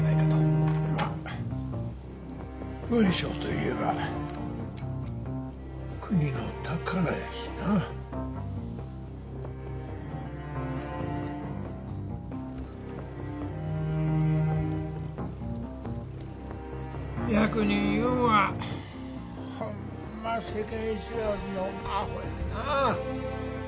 まあ雲尚といえば国の宝やしな。役人いうんはほんま世間知らずのアホやなあ。